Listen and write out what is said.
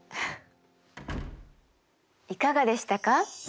いかがでしたか？